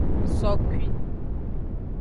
Sokui.